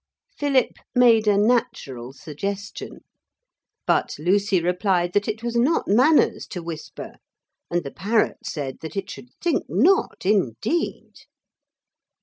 Philip made a natural suggestion. But Lucy replied that it was not manners to whisper, and the parrot said that it should think not indeed.